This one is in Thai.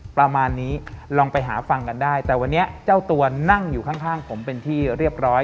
ประมาณนี้ลองไปหาฟังกันได้แต่วันนี้เจ้าตัวนั่งอยู่ข้างผมเป็นที่เรียบร้อย